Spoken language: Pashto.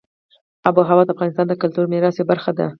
آب وهوا د افغانستان د کلتوري میراث یوه برخه ده.